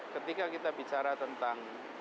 ketika kita bicara tentang